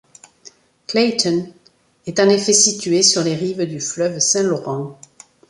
Clayton est en effet située sur les rives du fleuve Saint-Laurent.